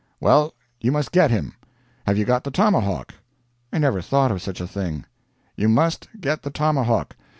"Well, you must get him. Have you got the tomahawk?" "I never thought of such a thing." "You must get the tomahawk.